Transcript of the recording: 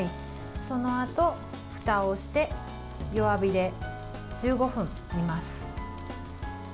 そのあと、ふたをして弱火で１５分煮ます。